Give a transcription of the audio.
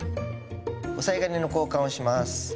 押さえ金の交換をします。